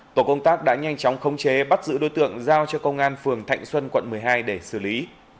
tổ công tác đã nhanh chóng khống chế bắt giữ đối tượng giao cho công an phường thạnh xuân quận một mươi hai để xử lý